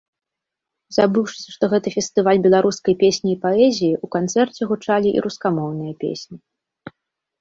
Забыўшыся, што гэта фестываль беларускай песні і паэзіі, у канцэрце гучалі і рускамоўныя песні.